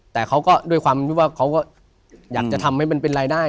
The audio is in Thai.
แต่เขาก็ด้วยความที่ว่าเขาก็อยากจะทำให้มันเป็นรายได้